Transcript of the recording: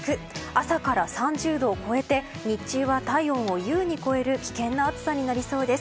朝から３０度を超えて日中は対応を優に超える危険な暑さになりそうです。